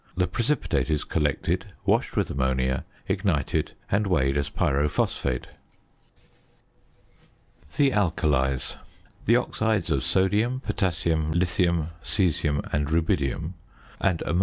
The precipitate is collected, washed with ammonia, ignited, and weighed as pyrophosphate. THE ALKALIES. The oxides of sodium, potassium, lithium, cæsium, and rubidium and ammonia are grouped under this head.